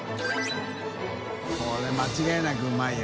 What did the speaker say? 海間違いなくうまいよ。